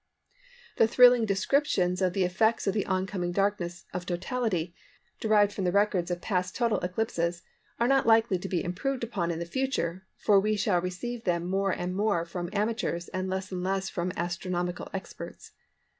The thrilling descriptions of the effects of the oncoming darkness of totality, derived from the records of past total eclipses, are not likely to be improved upon in the future, for we shall receive them more and more from amateurs and less and less from astronomical experts.